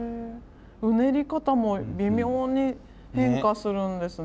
うねり方も微妙に変化するんですね。